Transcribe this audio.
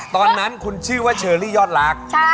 ตอนนั้นคุณชื่อว่าเชอรี่ยอดรัก